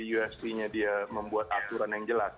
usp nya dia membuat aturan yang jelas